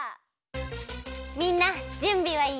みんなじゅんびはいい？